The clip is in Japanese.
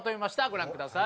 ご覧ください。